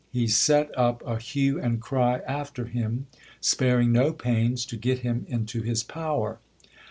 He set up a hue and cry after him, sparing no pains to get him into his power.